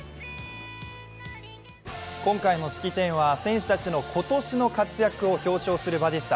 今回の式典は選手たちの今年の活躍を表彰する場でした。